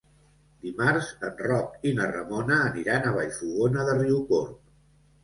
Dimarts en Roc i na Ramona aniran a Vallfogona de Riucorb.